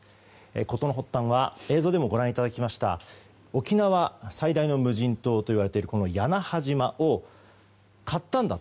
事の発端は映像でもご覧いただきました沖縄最大の無人島といわれる屋那覇島を買ったんだと。